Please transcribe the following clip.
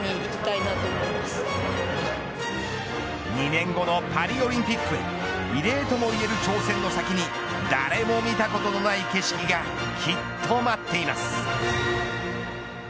２年後のパリオリンピックへ異例ともいえる挑戦の先に誰も見たことのない景色がきっと待っています。